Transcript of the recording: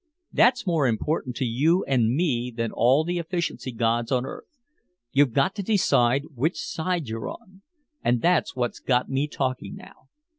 That's more important to you and me than all the efficiency gods on earth. You've got to decide which side you're on. And that's what's got me talking now.